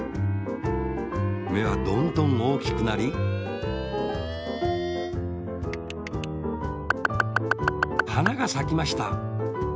めはどんどんおおきくなりはながさきました。